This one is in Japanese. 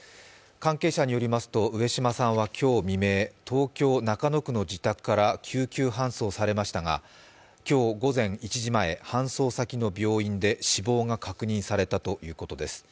関係者によりますと、上島さんは今日未明、東京・中野区の自宅から救急搬送されましたが今日午前１時前、搬送先の病院で死亡が確認されたということです。